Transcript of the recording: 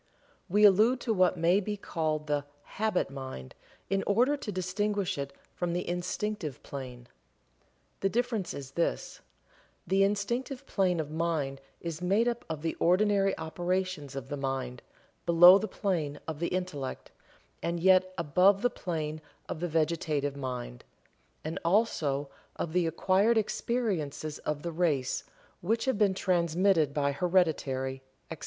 We allude to what may be called the "Habit Mind," in order to distinguish it from the Instinctive Plane. The difference is this: The Instinctive plane of mind is made up of the ordinary operations of the mind below the plane of the Intellect, and yet above the plane of the Vegetative mind and also of the acquired experiences of the race, which have been transmitted by heredity, etc.